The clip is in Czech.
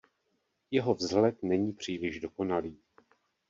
Jeho vzhled není příliš dokonalý.